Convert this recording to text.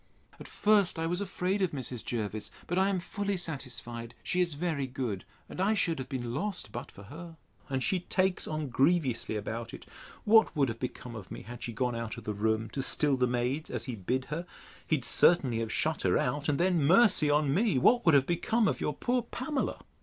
At first I was afraid of Mrs. Jervis; but I am fully satisfied she is very good, and I should have been lost but for her; and she takes on grievously about it. What would have become of me, had she gone out of the room, to still the maids, as he bid her! He'd certainly have shut her out, and then, mercy on me! what would have become of your poor Pamela?